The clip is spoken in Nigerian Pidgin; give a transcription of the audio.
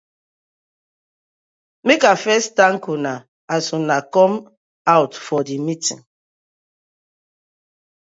Mak I first thank una as una come out for di meeting.